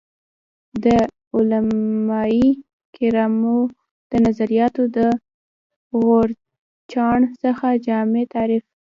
د علمای کرامو د نظریاتو د غورچاڼ څخه جامع تعریف